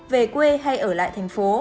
về quê hay ở lại tp